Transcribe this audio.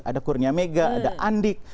ada kurnia mega ada andik